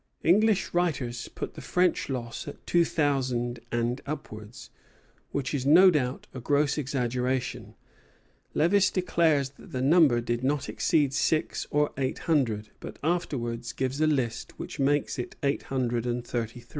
English writers put the French loss at two thousand and upwards, which is no doubt a gross exaggeration. Lévis declares that the number did not exceed six or eight hundred; but afterwards gives a list which makes it eight hundred and thirty three.